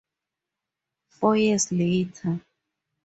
Four years later.